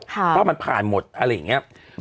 ก็มันผ่านหมดอะไรอย่างเนี่ย